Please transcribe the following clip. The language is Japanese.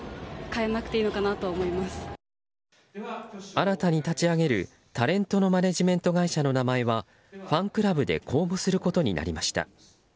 新たに立ち上げる、タレントのマネジメント会社の名前はファンクラブで公募することになりました。